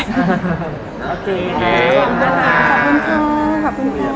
ขอบคุณค่ะ